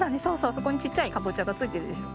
そこにちっちゃいかぼちゃがついてるでしょ？